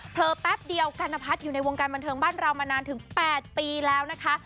แป๊บเดียวกัณพัฒน์อยู่ในวงการบันเทิงบ้านเรามานานถึง๘ปีแล้วนะคะ